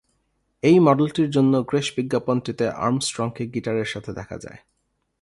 এই মডেলটির জন্য গ্রেশ বিজ্ঞাপনটিতে আর্মস্ট্রংকে গিটারের সাথে দেখা যায়।